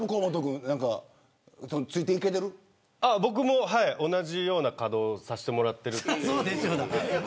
はい、僕も同じような稼働させてもらってるんで。